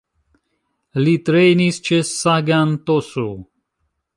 Li trejnis ĉe Sagan Tosu.